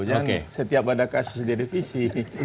jangan setiap ada kasus direvisi